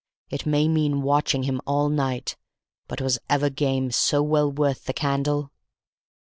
It may mean watching him all night, but was ever game so well worth the candle?"